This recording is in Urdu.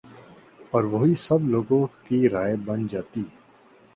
اور وہی سب لوگوں کی رائے بن جاتی